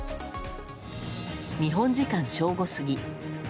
日本時間正午過ぎ。